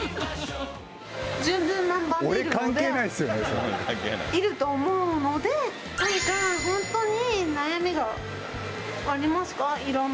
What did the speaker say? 順風満帆でいると思うので、何か、本当に悩みがありますか？